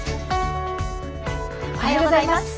おはようございます。